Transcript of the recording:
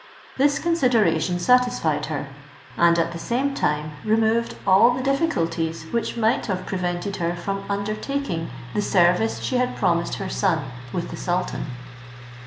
This consideration satisfied her, and at the same time removed all the difficulties which might have prevented her from undertaking the service she had promised her son with the sultan.